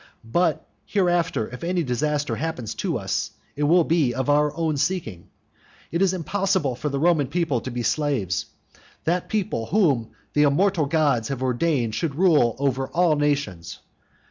But hereafter if any disaster happens to us it will be of our own seeking. It is impossible for the Roman people to be slaves, that people whom the immortal gods have ordained should rule over all nations.